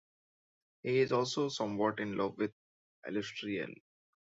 He is also somewhat in love with Alustriel.